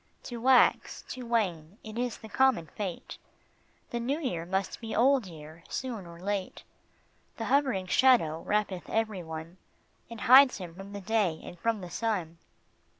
To wax, to wane, it is the common fate, The new year must be old year ; soon or late The hovering shadow wrappeth every one, And hides him from the day and from the sun.